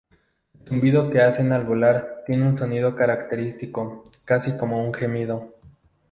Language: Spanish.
El zumbido que hacen al volar tiene un sonido característico, casi como un gemido.